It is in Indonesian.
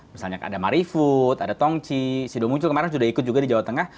misalnya ada marifood ada tongchi sido muncul kemarin sudah ikut juga di jawa tengah